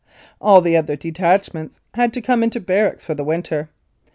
All the other detach ments had to come into barracks for the winter.